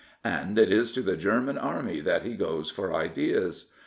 And it is to the German Army that he goes for ideas.